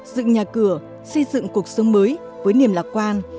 dựng nhà cửa xây dựng cuộc sống mới với niềm lạc quan